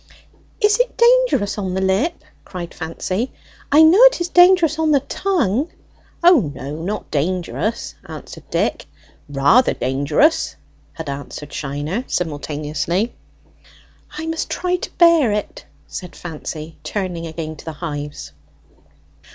"Is it dangerous on the lip?" cried Fancy. "I know it is dangerous on the tongue." "O no, not dangerous!" answered Dick. "Rather dangerous," had answered Shiner simultaneously. "I must try to bear it!" said Fancy, turning again to the hives.